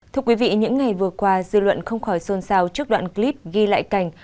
thưa quý vị những ngày vừa qua dư luận không khỏi xôn xao trước đoạn clip ghi lại cảnh